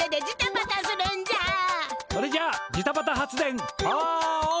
それじゃあジタバタ発電パワーオン！